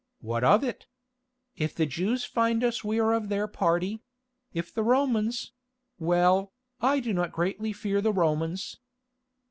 What of it? If the Jews find us we are of their party; if the Romans—well, I do not greatly fear the Romans."